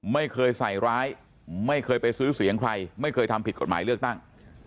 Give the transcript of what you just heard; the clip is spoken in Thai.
ไม่เคยใส่ร้ายไม่เคยไปซื้อเสียงใครไม่เคยทำผิดกฎหมายเลือกตั้ง